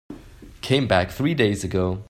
Came back three days ago.